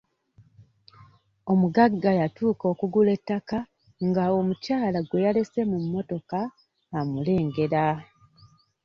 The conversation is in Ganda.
Omugagga yatuuka okugula ettaka nga omukyala gwe yalese mu mmotoka amulengera.